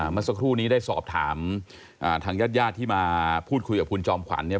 เมื่อสักครู่นี้ได้สอบถามทางญาติญาติที่มาพูดคุยกับคุณจอมขวัญเนี่ย